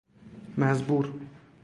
مزبور